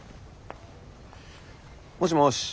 もしもし。